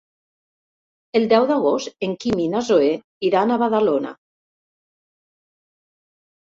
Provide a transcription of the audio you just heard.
El deu d'agost en Quim i na Zoè iran a Badalona.